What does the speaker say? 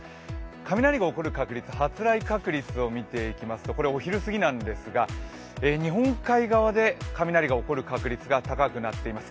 雷が起こる確率、発雷確率を見ていきますと、これお昼すぎなんですが日本海側で雷が起こる確率が高くなっています。